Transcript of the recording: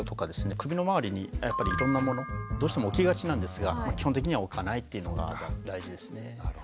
首の周りにやっぱりいろんなものどうしても置きがちなんですが基本的には置かないっていうのが大事ですね。